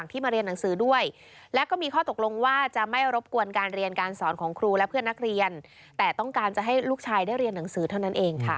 นังสือเท่านั้นเองค่ะ